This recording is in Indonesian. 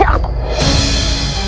yang tepat mengenai dada aku